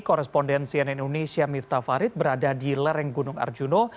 korespondensian indonesia miftah farid berada di lereng gunung arjuna